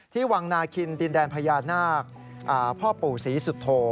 วังนาคินดินแดนพญานาคพ่อปู่ศรีสุโธ